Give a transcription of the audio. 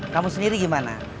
kamu sendiri gimana